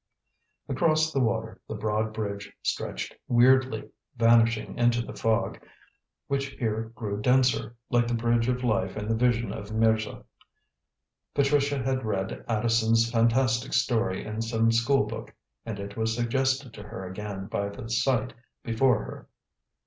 Across the water the broad bridge stretched weirdly, vanishing into the fog, which here grew denser, like the Bridge of Life in the Vision of Mirza. Patricia had read Addison's fantastic story in some school book, and it was suggested to her again by the sight before her.